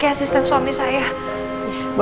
yang ada terlalu banyak